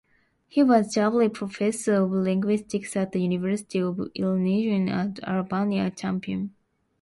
He was Jubilee Professor of Linguistics at the University of Illinois at Urbana-Champaign.